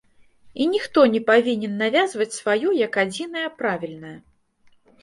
І ніхто не павінен навязваць сваё як адзінае правільнае.